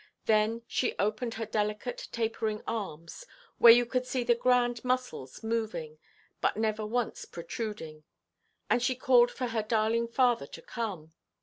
Then she opened her delicate tapering arms, where you could see the grand muscles moving, but never once protruding, and she called for her darling father to come.